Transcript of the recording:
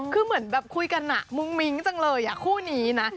คือเหมือนแบบคุยกันมุ้งมิ้งจังเลยคู่นี้นะ